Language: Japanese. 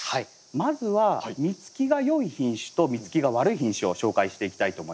まずは実つきが良い品種と実つきが悪い品種を紹介していきたいと思います。